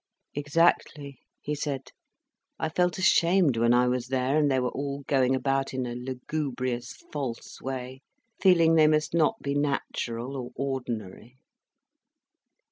"Exactly," he said. "I felt ashamed when I was there and they were all going about in a lugubrious false way, feeling they must not be natural or ordinary."